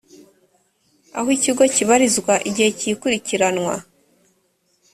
aho ikigo kibarizwa igihe cy’ikurikiranwa